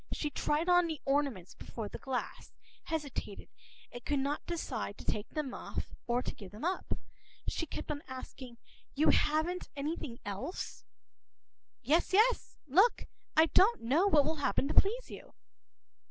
She tried on the ornaments before the glass, hesitated, and could not decide to take them off and to give them up. She kept on asking:—“You haven’t anything else?”“Yes, yes. Look. I do not know what will happen to please you.